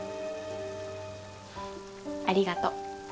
ありがとう。